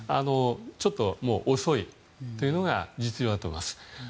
ちょっと遅いというのが実情だと思います。